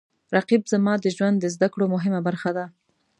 رقیب زما د ژوند د زده کړو مهمه برخه ده